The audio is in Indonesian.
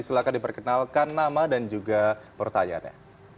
silahkan diperkenalkan nama dan juga pertanyaannya